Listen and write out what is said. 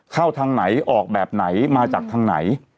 เข้าทางไหนออกแบบไหนมาจากทางไหน